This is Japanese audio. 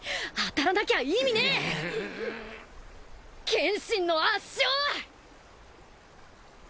剣心の圧勝！